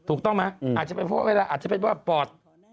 ถูกต้องไหมอาจจะเป็นเพราะเวลาอาจจะเป็นว่าปอด